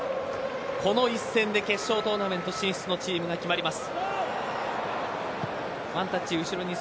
この一戦で決勝トーナメント進出のチームが決まります。